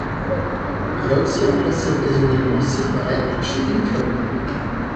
Il a aussi remplacé occasionnellement Syd Barrett chez Pink Floyd.